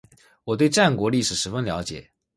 我对于战国历史十分了解